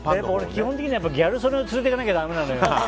基本的にはギャル曽根を連れていかなきゃだめなのよ。